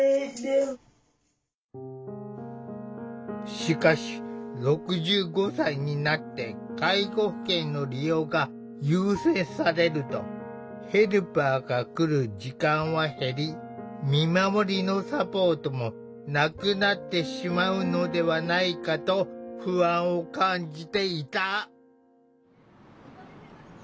しかし６５歳になって介護保険の利用が優先されるとヘルパーが来る時間は減り「見守り」のサポートもなくなってしまうのではないかと不安を感じていた。